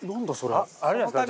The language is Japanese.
あっあれじゃないですか？